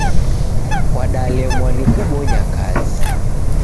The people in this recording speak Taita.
Kwadalemwa ni kubonya kazi.